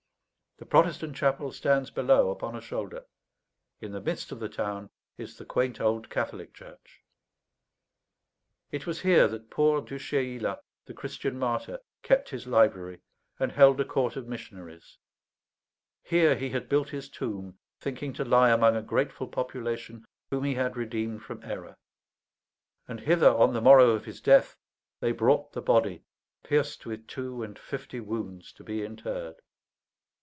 The Protestant chapel stands below upon a shoulder; in the midst of the town is the quaint old Catholic church. It was here that poor Du Chayla, the Christian martyr, kept his library and held a court of missionaries; here he had built his tomb, thinking to lie among a grateful population whom he had redeemed from error; and hither on the morrow of his death they brought the body, pierced with two and fifty wounds, to be interred.